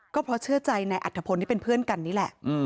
ก็เพราะเชื่อใจนายอัฐพลที่เป็นเพื่อนกันนี่แหละ